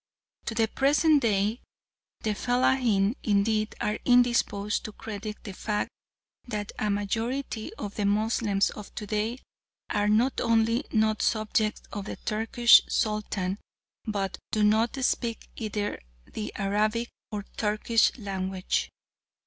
To the present day the fellaheen indeed are indisposed to credit the fact that a majority of the Moslems of to day are not only not subjects of the Turkish Sultan but do not speak either the Arabic or Turkish language.